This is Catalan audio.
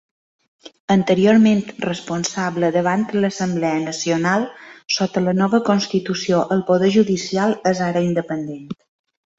Anteriorment responsable davant l'Assemblea Nacional, sota la nova constitució el poder judicial és ara independent.